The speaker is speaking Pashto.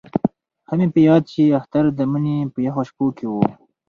ښه مې په یاد شي اختر د مني په یخو شپو کې وو.